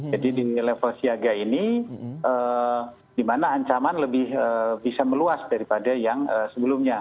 jadi di level siaga ini dimana ancaman lebih bisa meluas daripada yang sebelumnya